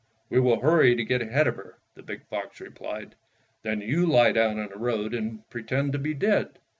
"We will hmry to get ahead of her," the big fox replied. "Then you lie down in the road and pretend to be dead.